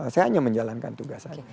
saya hanya menjalankan tugas saya